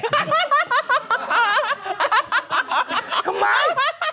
ทำไม